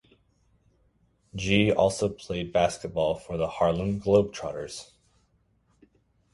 Gee also played basketball for the Harlem Globetrotters.